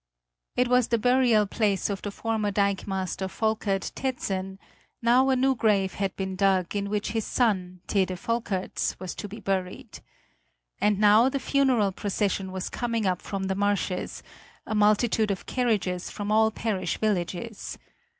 It was the burial place of the former dikemaster Volkert Tedsen; now a new grave had been dug in which his son, Tede Volkerts, was to be buried. And now the funeral procession was coming up from the marshes, a multitude of carriages from all parish villages.